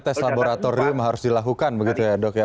tes laboratorium harus dilakukan begitu ya dok ya